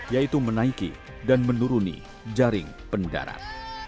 yaitu menaiki dan menuruni jaring pendarat